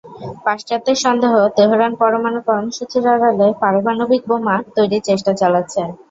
পাশ্চাত্যের সন্দেহ, তেহরান পরমাণু কর্মসূচির আড়ালে পারমাণবিক বোমা তৈরির চেষ্টা চালাচ্ছে।